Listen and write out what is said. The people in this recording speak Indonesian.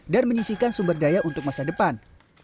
dan menyisihkan sumber daya untuk masa depan